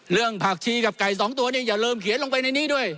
เรื่องผักชี้กับไก่สองตัวนี่อย่าเริ่มเขียนลงไปในนี้ด้วย